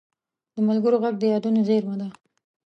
د ملګرو غږ د یادونو زېرمه ده